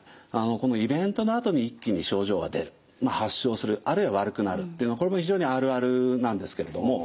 このイベントのあとに一気に症状が出る発症するあるいは悪くなるというのはこれも非常にあるあるなんですけれども。